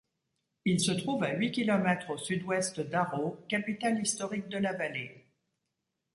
Il se trouve à huit kilomètres au sud-ouest d’Arreau, capitale historique de la vallée.